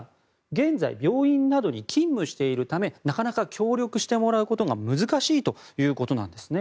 現在、病院などに勤務しているためなかなか協力してもらうことが難しいということです。